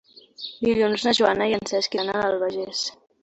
Dilluns na Joana i en Cesc iran a l'Albagés.